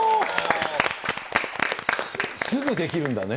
すぐできるんだね。